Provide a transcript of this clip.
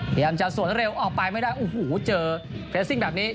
พยายามออกไปไม่ได้อู้หูเจอ